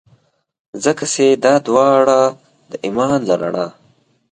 ځکه چي دا داوړه د ایمان له رڼا.